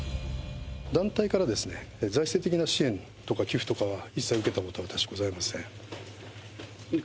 団体から財政的な支援とか寄付とかは一切受けたことは、私、ございません。